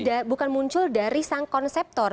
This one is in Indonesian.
jadi ini bukan muncul dari sang konseptor